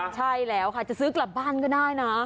ใช่แล้วค่ะจะซื้อกลับบ้านก็ได้นะ